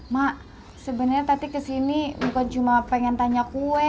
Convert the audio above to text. mak sebenarnya tadi kesini bukan cuma pengen tanya kue